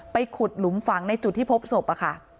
ขุดหลุมฝังในจุดที่พบศพ